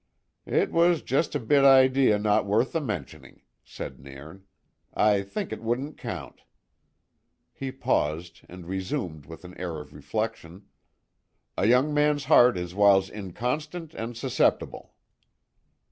"It was just a bit idea no worth the mentioning," said Nairn. "I think it wouldna count." He paused, and resumed with an air of reflection: "A young man's heart is whiles inconstant and susceptible."